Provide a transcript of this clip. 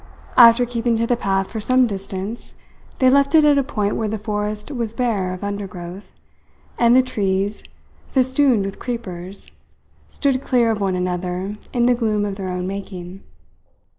After keeping to the path for some distance, they left it at a point where the forest was bare of undergrowth, and the trees, festooned with creepers, stood clear of one another in the gloom of their own making.